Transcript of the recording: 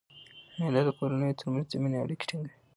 مېلې د کورنیو تر منځ د میني اړیکي ټینګي.